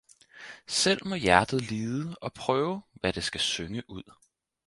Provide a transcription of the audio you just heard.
Selv må hjertet lide og prøve hvad det skal synge ud